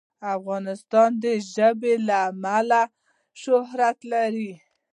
افغانستان د ژبې له امله شهرت لري.